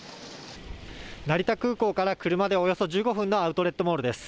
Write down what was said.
成田空港から車でおよそ１５分のアウトレットモールです。